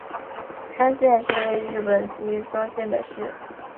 山县市为日本岐阜县的市。